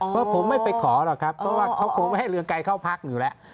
เพราะผมไม่ไปขอหรอกครับเพราะว่าเขาคงไม่ให้เรืองไกรเข้าพักอยู่แล้ว